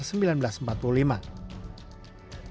terkait siapa yang mengusulkan hal tersebut